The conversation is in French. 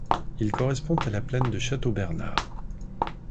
Il correspond à la plaine de Châteaubernard.